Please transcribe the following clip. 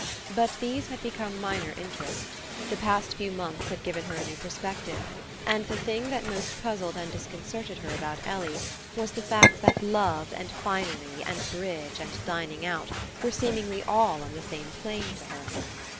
But these had become minor interests: the past few months had given her a new perspective, and the thing that most puzzled and disconcerted her about Ellie was the fact that love and finery and bridge and dining out were seemingly all on the same plane to her.